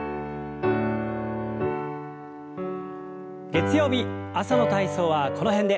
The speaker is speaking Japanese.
月曜日朝の体操はこの辺で。